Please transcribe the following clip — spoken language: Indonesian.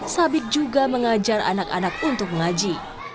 sabit juga mengajar anak anak untuk mengaji